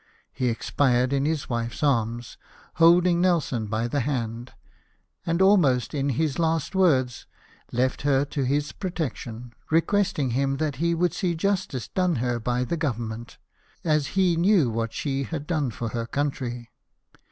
He expired in his wife's arms, holding Nelson by the hand ; and almost in his last words left her to his protection, requesting him that he would see justice done her by the Government, as he knew what she had done for her country.